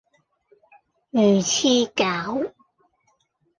魚翅餃